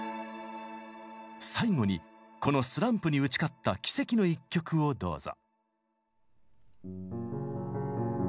最後にこのスランプに打ち勝った奇跡の一曲をどうぞ。